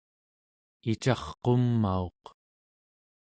icarqumauq